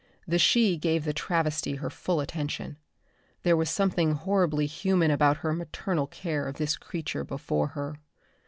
The she gave the travesty her full attention. There was something horribly human about her maternal care of this creature before her.